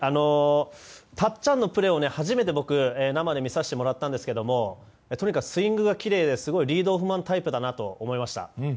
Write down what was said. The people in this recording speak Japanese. たっちゃんのプレーを初めて僕生で見させてもらったんですけどとにかくスイングがきれいでリードオフマンタイプだなと感じました。